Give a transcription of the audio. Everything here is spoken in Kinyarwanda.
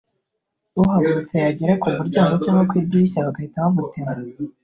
uhagurutse yagera ku muryango cyangwa ku idirishya bagahita bamutema